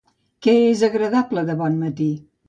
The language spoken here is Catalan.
Què és agradable de bon matí?